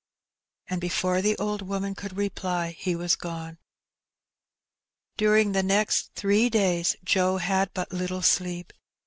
And before the old woman could reply he was gone; During the next three days Joe had but Uttle sleep.